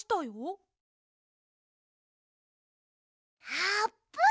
あーぷん！